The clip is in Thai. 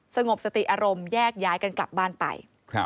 สงบสติอารมณ์แยกย้ายกันกลับบ้านไป